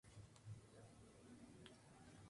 Durante el día permanecen en los sitios de alimentación.